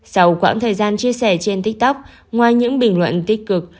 sau quãng thời gian chia sẻ trên tiktok ngoài những bình luận tích cực